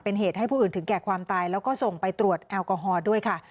เป็นเหตุให้ผู้อื่นถึงแก่ความตายแล้วก็ส่งไปตรวจแอลกอฮอล์ด้วยค่ะ